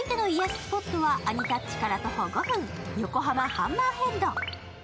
スポットはアニタッチから徒歩５分、横浜ハンマーヘッド。